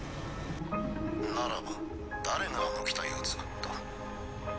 ならば誰があの機体を造った？